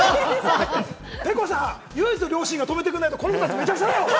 ｐｅｋｏさん、唯一の良心が止めてくれないと、この人たちめちゃくちゃだよ！